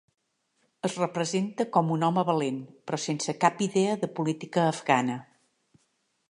Es representa com un home valent, però sense cap idea de política afgana.